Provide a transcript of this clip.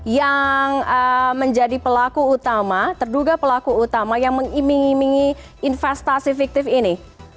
yang menjadi pelaku utama terduga pelaku utama yang mengiming imingi investasi fiktif ini